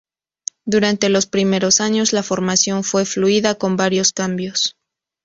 Durante los primeros años, la formación fue fluida, con varios cambios.